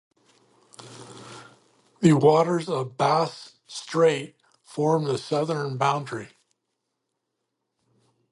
The waters of "Bass Strait" form the southern boundary.